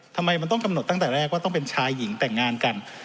ทำไมมันต้องกำหนดตั้งแต่แรกว่าต้องเป็นชายหญิงแต่งงานกัน